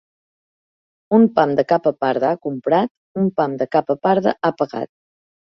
Un pam de capa parda ha comprat, un pam de capa parda ha pagat.